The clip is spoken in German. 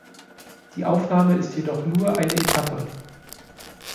Die Aufnahme ist jedoch nur eine Etappe.